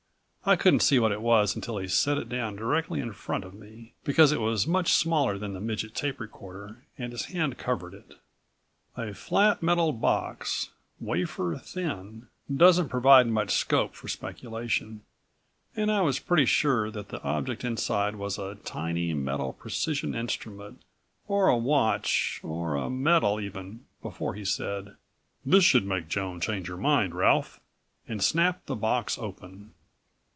I couldn't see what it was until he set it down directly in front of me, because it was much smaller than the midget tape recorder and his hand covered it. A flat metal box, wafer thin, doesn't provide much scope for speculation, and I was pretty sure that the object inside was a tiny metal precision instrument or a watch or a medal even before he said: "This should make Joan change her mind, Ralph!" and snapped the box open.